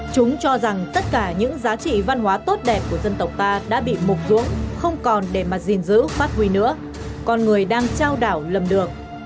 chúng cho rằng tất cả những giá trị văn hóa tốt đẹp của dân tộc ta đã bị mục dưỡng không còn để mà gìn giữ phát huy nữa con người đang trao đảo lầm được